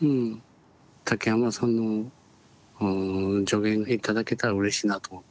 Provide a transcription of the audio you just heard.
竹山さんの助言頂けたらうれしいなと思って。